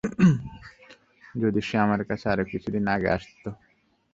যদি সে আমার কাছে আরো কিছু দিন আগে আসত।